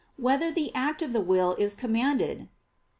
5] Whether the Act of the Will Is Commanded?